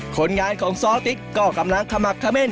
คนงานของซ้อติ๊กก็กำลังขมักเขม่น